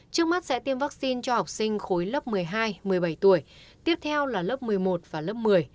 trước mắt sẽ tiêm vaccine cho học sinh khối lớp một mươi hai một mươi bảy tuổi tiếp theo là lớp một mươi một và lớp một mươi